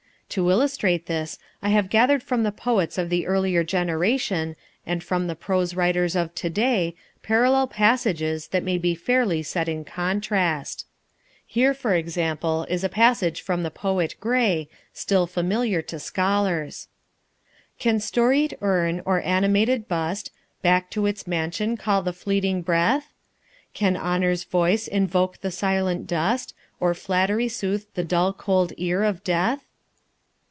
To illustrate this I have gathered from the poets of the earlier generation and from the prose writers of to day parallel passages that may be fairly set in contrast. Here, for example, is a passage from the poet Grey, still familiar to scholars: "Can storied urn or animated bust Back to its mansion call the fleeting breath? Can honour's voice invoke the silent dust Or flattery soothe the dull cold ear of death?"